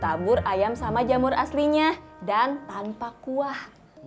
tabur ayam sama jamur aslinya dan tanpa kuah